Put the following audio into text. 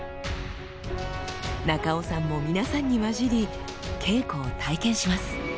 中尾さんも皆さんに交じり稽古を体験します。